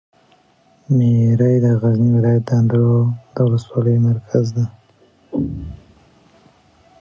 میری د غزني ولایت د اندړو د ولسوالي مرکز ده.